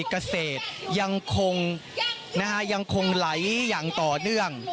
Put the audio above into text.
เกษตรยังคงยังคงไหลอย่างต่อเนื่อง